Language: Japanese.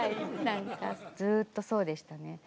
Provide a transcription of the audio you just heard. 何かずっとそうでしたね。